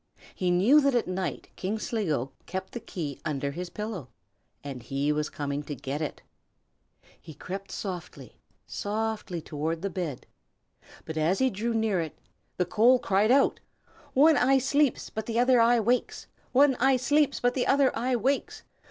He knew that at night King Sligo kept the key under his pillow, and he was coming to get it. He crept softly, softly, toward the bed, but as he drew near it, the coal cried out: "One eye sleeps, but the other eye wakes! one eye sleeps, but the other eye wakes!